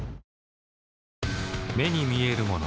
目に見えるもの